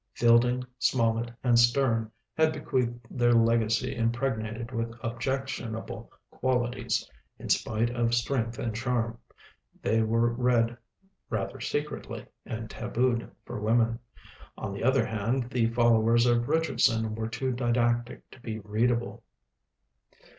Fielding, Smollett, and Sterne had bequeathed their legacy impregnated with objectionable qualities, in spite of strength and charm; they were read rather secretly, and tabooed for women. On the other hand, the followers of Richardson were too didactic to be readable.